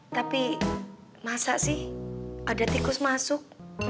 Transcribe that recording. tapi masa sih ada tikus masuk